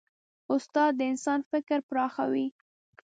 استاد د انسان فکر پراخوي.